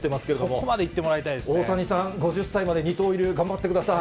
そこまで行ってもらいたいで大谷さん、５０歳まで二刀流頑張ってください。